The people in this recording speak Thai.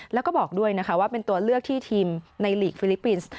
แล้วก็บอกด้วยนะคะว่าเป็นตัวเลือกที่ทีมในหลีกฟิลิปปินส์